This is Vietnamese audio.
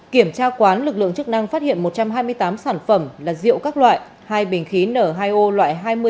kiểm tra quán lực lượng chức năng phát hiện một trăm hai mươi tám sản phẩm là rượu các loại hai bình khí nở